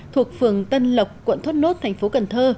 thuộc phường tân lộc quận thốt nốt thành phố cần thơ